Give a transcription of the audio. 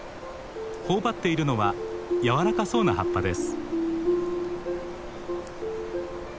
頬張っているのは柔らかそうな葉っぱです。